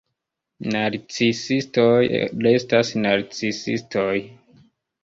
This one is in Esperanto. Narcisistoj restas narcisistoj.